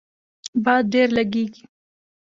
باد ډیر لږیږي